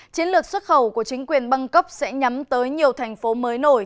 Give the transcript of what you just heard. chiến lược xuất khẩu của chính quyền bangkok sẽ nhắm tới nhiều thành phố mới nổi